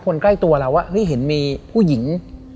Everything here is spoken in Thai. คนใกล้ตัวเราที่เห็นมีผู้หญิง